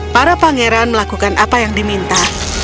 para pangeran melakukan apa yang diminta